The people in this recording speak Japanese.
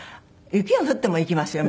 雪が降っても行きますよ